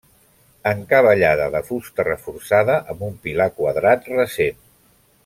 Encavallada de fusta reforçada amb un pilar quadrat recent.